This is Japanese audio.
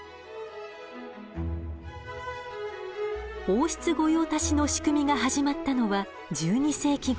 王室御用達の仕組みが始まったのは１２世紀ごろ。